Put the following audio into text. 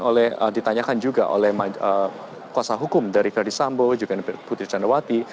oleh ditanyakan juga oleh kuasa hukum dari verdi sambo juga putri candrawati